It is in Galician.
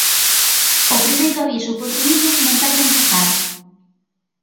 O primeiro aviso por ruídos non tarda en chegar.